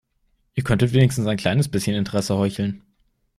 Ihr könntet wenigstens ein kleines bisschen Interesse heucheln.